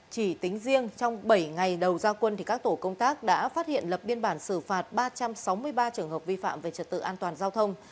chỉ tính riêng trong bảy ngày đầu giao quân các tổ công tác đã phát hiện lập biên bản xử phạt ba trăm sáu mươi ba trường hợp vi phạm về trật tự an toàn giao thông